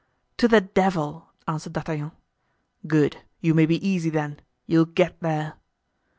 "To the devil!" answered D'Artagnan. "Good! you may be easy, then—you'll get there."